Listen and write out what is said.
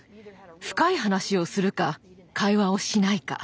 深い話をするか会話をしないか。